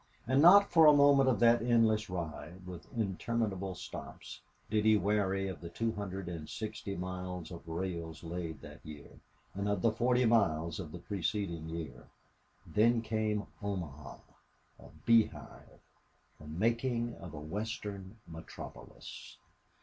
And not for a moment of that endless ride, with interminable stops, did he weary of the two hundred and sixty miles of rails laid that year, and of the forty miles of the preceding year. Then came Omaha, a beehive the making of a Western metropolis!